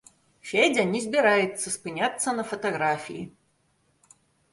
Федзя не збіраецца спыняцца на фатаграфіі.